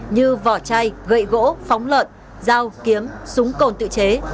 như vỏ chai gậy gỗ phóng lợn dao kiếm súng cồn tự chế